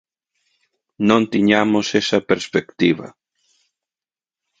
Non tiñamos esa perspectiva.